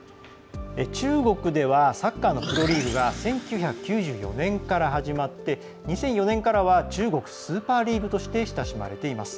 中国ではサッカーのプロリーグが１９９４年から始まって２００４年からは中国スーパーリーグとして親しまれています。